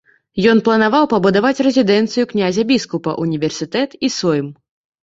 Ён планаваў пабудаваць рэзідэнцыю князя-біскупа, універсітэт і сойм.